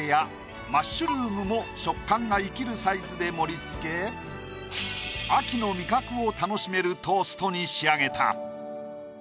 食感が生きるサイズで盛り付け秋の味覚を楽しめるトーストに仕上げた。